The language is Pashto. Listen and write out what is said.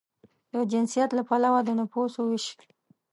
د جنسیت له پلوه د نفوسو وېش